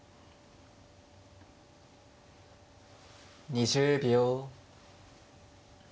２０秒。